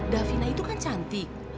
davina itu kan cantik